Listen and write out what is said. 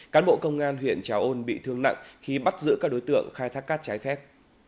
cán bộ công an huyện trà ôn bị thương nặng khi bắt giữ các đối tượng khai thác cát trái phép